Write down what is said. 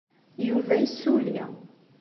Yuba yessulli.